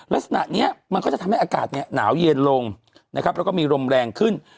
ลักษณะนี้มันก็จะทำให้อากาศหนาวเย็นลงนะครับแล้วก็มีลมแรงขึ้น